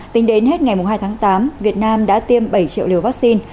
tính đến hết ngày hai tháng tám việt nam đã tiêm bảy triệu liều vaccine